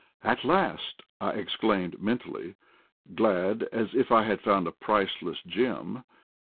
"At last!" I exclaimed, mentally, glad as if I had found a priceless gem.